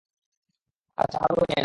আচ্ছা, আমার গুলোও চেয়ে নাও!